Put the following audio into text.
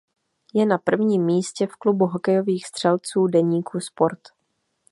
Je na prvním místě v klubu hokejových střelců deníku Sport.